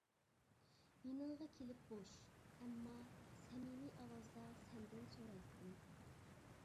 يېنىڭغا كېلىپ بوش، ئەمما سەمىمىي ئاۋازدا سەندىن سورايتتىم.